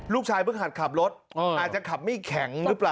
๑ลูกชายเพิ่งหัดขับรถอาจจะขับมี่แข็งหรือเปล่า